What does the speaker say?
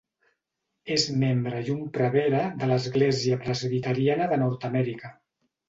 És membre i un prevere de l'Església Presbiteriana de Nord Amèrica.